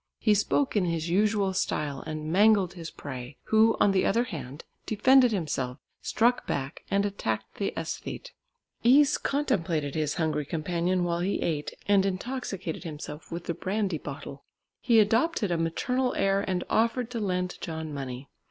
He spoke in his usual style and mangled his prey, who, on the other hand, defended himself, struck back, and attacked the æsthete. Is contemplated his hungry companion while he ate, and intoxicated himself with the brandy bottle. He adopted a maternal air and offered to lend John money.